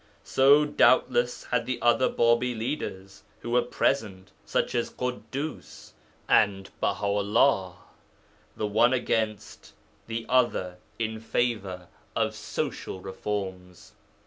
So, doubtless, had the other Bābī leaders who were present, such as Ḳuddus and Baha 'ullah, the one against, the other in favour of social reforms.